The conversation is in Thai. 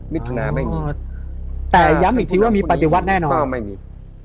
มิถุนาไม่มีแต่ย้ำอีกทีว่ามีปฏิวัติแน่นอนก็ไม่มี